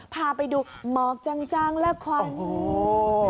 พาไปดูหมอกจางและความนี้